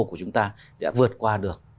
của chúng ta đã vượt qua được